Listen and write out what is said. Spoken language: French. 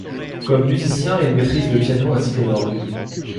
Comme musicien, il maîtrise le piano ainsi que l'orgue.